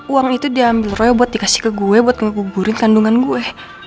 uang itu diambil roy buat dikasih ke gue buat ngeguburin kandungan gue